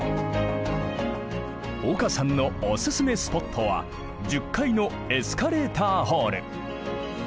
岡さんのオススメスポットは１０階のエスカレーターホール。